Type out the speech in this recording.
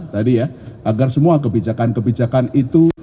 tadi ya agar semua kebijakan kebijakan itu